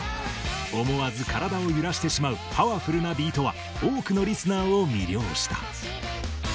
思わず体を揺らしてしまうパワフルなビートは多くのリスナーを魅了した。